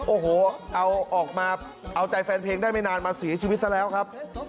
โอ้โหเอาออกมาเอาใจแฟนเพลงได้ไม่นานมาเสียชีวิตซะแล้วครับ